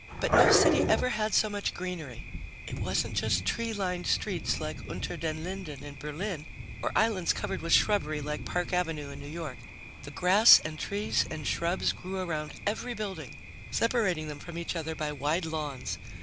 But no city ever had so much greenery. It wasn't just tree lined streets, like Unter den Linden in Berlin, or islands covered with shrubbery, like Park Avenue in New York. The grass and trees and shrubs grew around every building, separating them from each other by wide lawns.